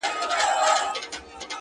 زما مرور فکر به څه لفظونه وشرنگوي،